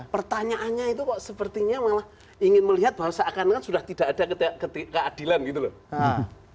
pertanyaannya itu kok sepertinya malah ingin melihat bahwa seakan akan sudah tidak ada keadilan gitu loh